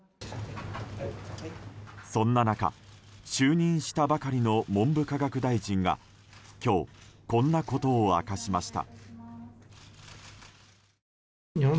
そんな中、就任したばかりの文部科学大臣が今日こんなことを明かしました。